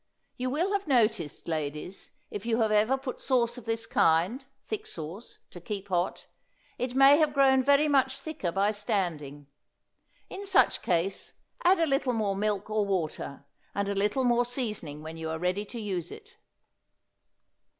You will have noticed, ladies, if you have ever put sauce of this kind, thick sauce, to keep hot, it may have grown very much thicker by standing; in such case add a little more milk or water, and a little more seasoning when you are ready to use it.